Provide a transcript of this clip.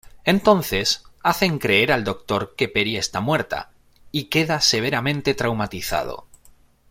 Entonces, hacen creer al Doctor que Peri está muerta y queda severamente traumatizado.